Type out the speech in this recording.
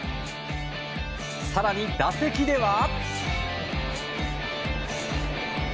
更に打席では。